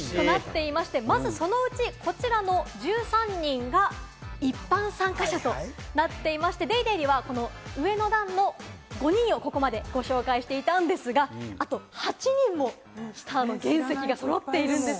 まず、そのうちこちらの１３人が一般参加者となっていまして、『ＤａｙＤａｙ．』では上の段の５人をここまでご紹介していたんですが、あと８人もスターの原石が揃っているんです。